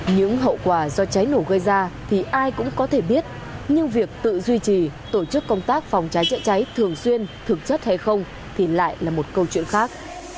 những hậu quả do cháy nổ gây ra thì ai cũng có thể biết nhưng việc tự duy trì tổ chức công tác phòng cháy chữa cháy thường xuyên thực chất hay không thì lại là một câu chuyện khác